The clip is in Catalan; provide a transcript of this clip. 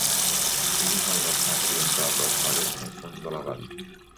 És en el vessant oriental del Faro, al fons de la vall.